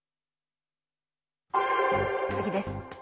次です。